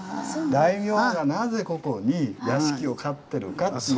大名がなぜここに屋敷を買ってるかっていう事。